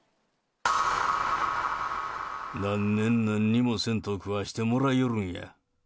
何年、何にもせんと、食わしてもらいよるんや。